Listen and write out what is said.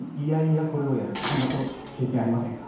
そんな経験ありませんか？